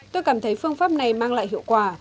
tôi cảm thấy phương pháp này mang lại hiệu quả